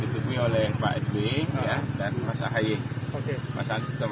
berfungsi pertemuannya nanti aja ditunggu data kind the video tak berpajak saluran bisa tammy